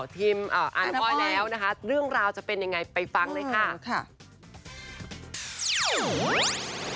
ทีมอาร์นาบอยแล้วนะคะเรื่องราวจะเป็นอย่างไรไปฟังด้วยค่ะโอ้โหโอ้โหโอ้โหโอ้โหโอ้โห